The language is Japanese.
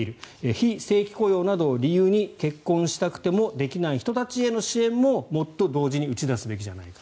非正規雇用などを理由に結婚したくてもできない人たちへの支援ももっと同時に打ち出すべきじゃないか。